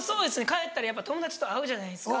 帰ったらやっぱ友達と会うじゃないですか。